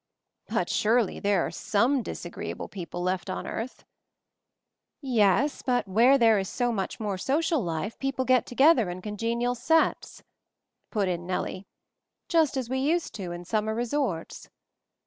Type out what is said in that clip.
"But surely there are some disagreeable people left on earth!" "Yes; but where there is so much more social life people get together in congenial sets/' put in Nellie; "just as we used to in summer resorts.